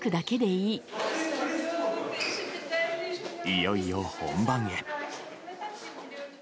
いよいよ本番へ。